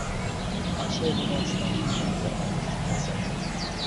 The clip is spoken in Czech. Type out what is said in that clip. Absolvoval státní konzervatoř v Praze.